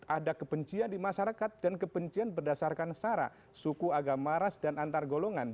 ada kebencian di masyarakat dan kebencian berdasarkan sara suku agama ras dan antar golongan